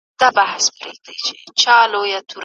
د علم له لارې حق باطل جلا کيږي.